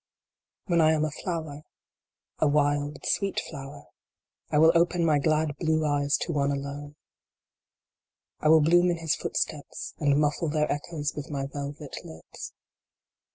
When I am a flower a wild, sweet flower I will open my glad blue eyes to one alone. I will bloom in his footsteps, and muffle their echoes with my velvet lips.